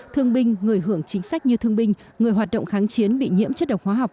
thương binh người hưởng chính sách như thương binh người hoạt động kháng chiến bị nhiễm chất độc hóa học